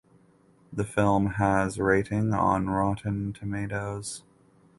The film has rating on Rotten Tomatoes.